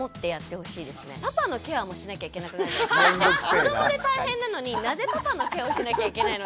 子どもで大変なのになぜパパのケアをしなきゃいけないの？